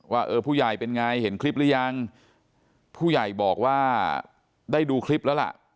ว่าเออผู้ใหญ่เป็นไงเห็นคลิปหรือยังผู้ใหญ่บอกว่าได้ดูคลิปแล้วล่ะ